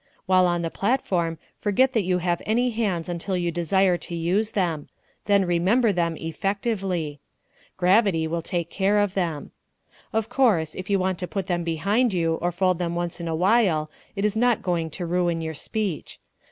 While on the platform forget that you have any hands until you desire to use them then remember them effectively. Gravity will take care of them. Of course, if you want to put them behind you, or fold them once in awhile, it is not going to ruin your speech.